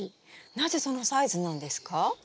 なぜそのサイズなんですか？